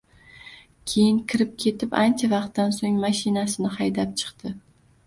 Keyin kirib ketib, ancha vaqtdan so‘ng mashinasini haydab chiqdi